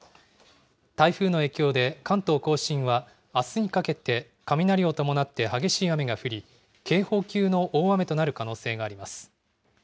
台風の影響で関東甲信は、あすにかけて雷を伴って激しい雨が降り、警報級の大雨となる可能性があります。